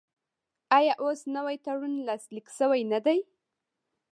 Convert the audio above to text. آیا اوس نوی تړون لاسلیک شوی نه دی؟